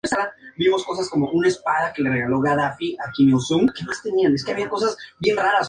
Mediante la descendencia de su hijo, llegó a ser la abuela materna de Eneas.